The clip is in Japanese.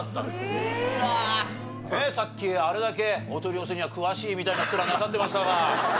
ねえさっきあれだけお取り寄せには詳しいみたいな面なさってましたが。